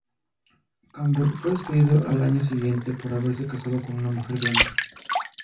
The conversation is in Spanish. Campbell fue despedido el año siguiente por haberse casado con una mujer blanca.